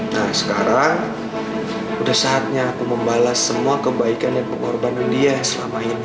nah sekarang sudah saatnya aku membalas semua kebaikan dan pengorbanan dia selama ini